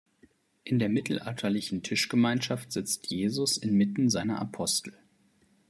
In der mittelalterlichen Tischgemeinschaft sitzt Jesus inmitten seiner Apostel.